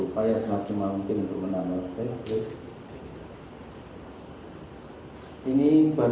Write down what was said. jadi overloadnya cukup memuatirkan